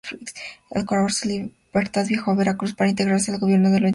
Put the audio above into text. Al recobrar su libertad viajó a Veracruz para integrarse al gobierno de Venustiano Carranza.